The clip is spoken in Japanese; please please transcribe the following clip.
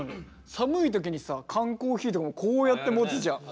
寒い時にさ缶コーヒーとかもこうやって持つじゃん。